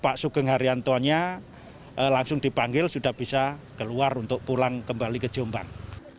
pak sugeng haryantonya langsung dipanggil sudah bisa keluar untuk pulang kembali ke jombang